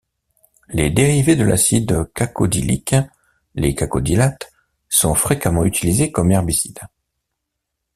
Les dérivés de l'acide cacodylique, les cacodylates, sont fréquemment utilisés comme herbicides.